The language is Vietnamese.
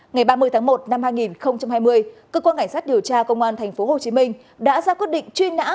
ngày ba mươi tháng một năm hai nghìn hai mươi cơ quan cảnh sát điều tra công an tp hcm đã ra quyết định truy nã